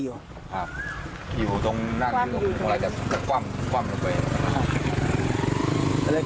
อยู่ตรงนั้นจากกว้ำลงไป